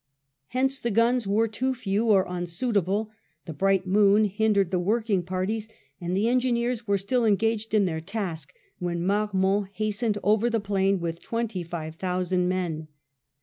Hence the guns were too few or unsuitable, the bright moon hindered the working parties, and the engineers were still engaged in their task when Marmont hastened over the plain with twenty five thousand men.